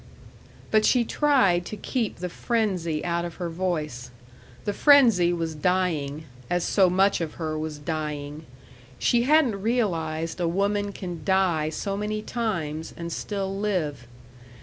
But she tried to keep the frenzy out of her voice. The frenzy was dying, as so much of her was dying. She hadn't realized a woman can die so many times and still live.